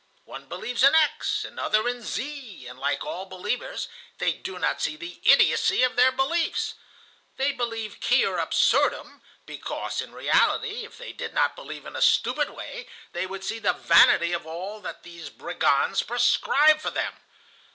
One believes in X, another in Z, and, like all believers, they do not see the idiocy of their beliefs. They believe quia absurdum, because, in reality, if they did not believe in a stupid way, they would see the vanity of all that these brigands prescribe for them.